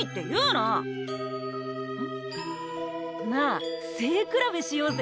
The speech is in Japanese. んっ？なあ背比べしようぜ。